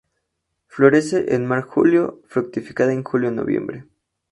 Florece en Mar-julio, fructifica en Julio-noviembre.